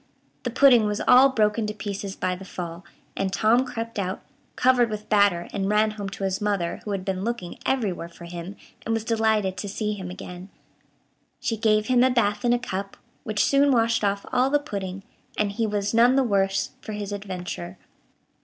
The pudding was all broken to pieces by the fall, and Tom crept out, covered with batter, and ran home to his mother, who had been looking everywhere for him, and was delighted to see him again. She gave him a bath in a cup, which soon washed off all the pudding, and he was none the worse for his adventure.